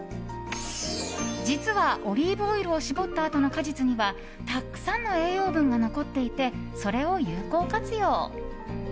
実は、オリーブオイルを搾ったあとの果実にはたくさんの栄養分が残っていてそれを有効活用。